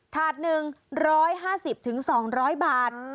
ถาดหนึ่ง๑๕๐๒๐๐บาท